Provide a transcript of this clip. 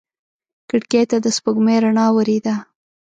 کړکۍ ته د سپوږمۍ رڼا ورېده.